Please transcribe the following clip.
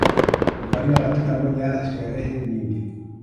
Huvaliwa katika moja ya sherehe nyingi